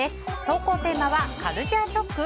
投稿テーマはカルチャーショック！？